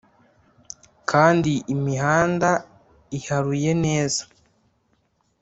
kandi imihamda iharuye neza